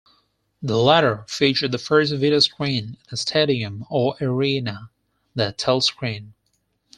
The latter featured the first videoscreen in a stadium or arena, the Telscreen.